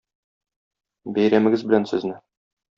Бәйрәмегез белән сезне!